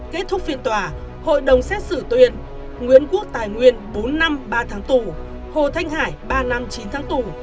kết thúc phiên tòa hội đồng xét xử tuyên nguyễn quốc tài nguyên bốn năm ba tháng tù hồ thanh hải ba năm chín tháng tù